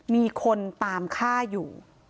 มีคนตามฆ่าอยู่